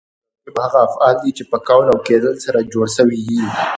مرکب هغه افعال دي، چي په کول او کېدل سره جوړ سوي یي.